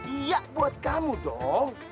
iya buat kamu dong